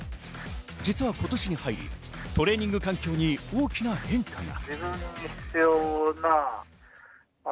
実は今年に入り、トレーニング環境に大きな変化が。